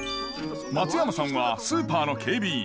松山さんはスーパーの警備員。